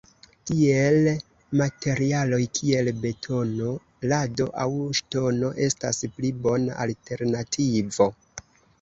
Tiel materialoj kiel betono, lado aŭ ŝtono estas pli bona alternativo.